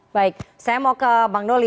baik saya mau ke bang doli